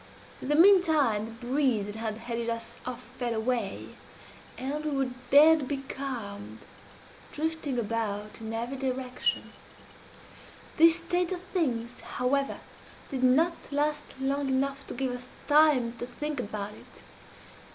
"In the meantime the breeze that had headed us off fell away, and we were dead becalmed, drifting about in every direction. This state of things, however, did not last long enough to give us time to think about it.